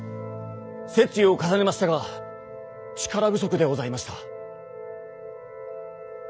説諭を重ねましたが力不足でございました。